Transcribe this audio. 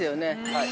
◆はい。